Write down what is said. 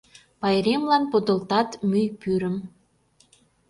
Пайремлан подылтат мӱй пӱрым